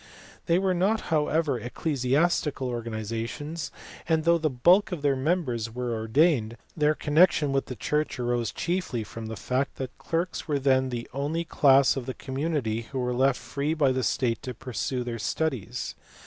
They were not however ecclesiastical organi zations, and, though the bulk of their members were ordained, their connection with the church arose chiefly from the fact that clerks were then the only class of the community who were left free by the state to pursue their studies.